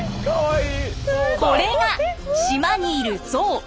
これが島にいる象。